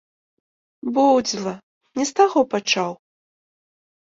Боўдзіла, не з таго пачаў.